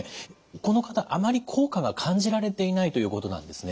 この方あまり効果が感じられていないということなんですね。